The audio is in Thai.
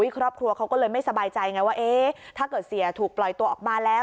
ครอบครัวเขาก็เลยไม่สบายใจไงว่าเอ๊ะถ้าเกิดเสียถูกปล่อยตัวออกมาแล้ว